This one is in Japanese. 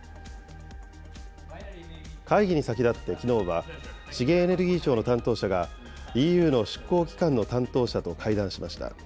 会議に先立ってきのうは、資源エネルギー庁の担当者がＥＵの執行機関の担当者と会談しました。